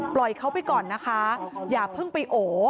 ปล่อยเขาไปก่อนนะคะอย่าเพิ่งไปโอ